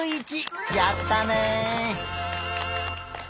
やったね！